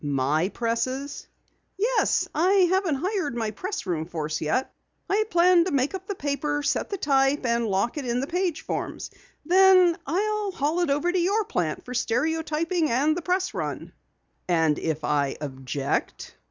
"My presses!" "Yes, I haven't hired my pressroom force yet. I plan to make up the paper, set the type and lock it in the page forms. Then I'll haul it over to your plant for stereotyping and the press run." "And if I object?"